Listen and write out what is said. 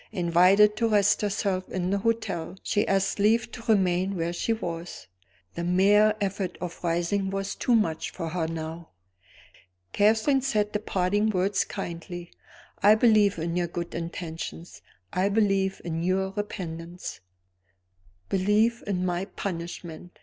Invited to rest herself in the hotel, she asked leave to remain where she was; the mere effort of rising was too much for her now. Catherine said the parting words kindly. "I believe in your good intentions; I believe in your repentance." "Believe in my punishment!"